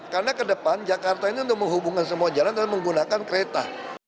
karena ke depan jakarta ini untuk menghubungkan semua jalan dan menggunakan kereta